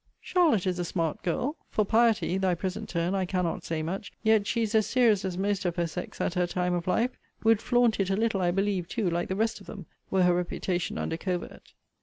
Charlotte is a smart girl. For piety (thy present turn) I cannot say much: yet she is as serious as most of her sex at her time of life Would flaunt it a little, I believe, too, like the rest of them, were her reputation under covert.